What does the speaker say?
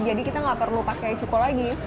jadi kita nggak perlu pakai cukko lagi